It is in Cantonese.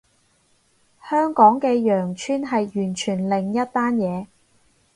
香港嘅羊村係完全另一單嘢